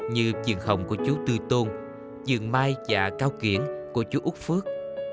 như dường hồng của chú tư tôn dường mai và cao kiển của chú úc phước